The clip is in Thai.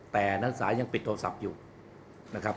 แต่นักสายังปิดโทรศัพท์อยู่นะครับ